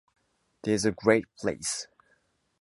There’s a great place.